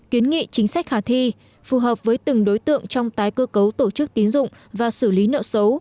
kiến nghị chính sách khả thi phù hợp với từng đối tượng trong tái cơ cấu tổ chức tín dụng và xử lý nợ xấu